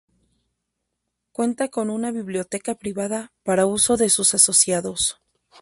Cuenta con una biblioteca privada para uso de sus asociados.